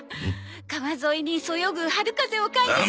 川沿いにそよぐ春風を感じ。